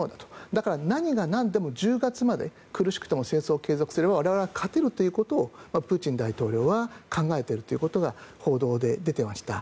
だから何がなんでも、１０月まで苦しくても戦争を継続すれば我々は勝てるということをプーチン大統領は考えているということは報道で出ていました。